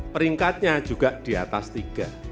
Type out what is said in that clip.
peringkatnya juga di atas tiga